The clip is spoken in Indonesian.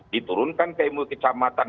diturunkan ke mui kecamatan